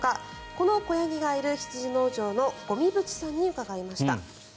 この子ヤギがいるひつじ農場の五味渕さんに聞きました。